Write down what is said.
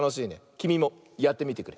きみもやってみてくれ。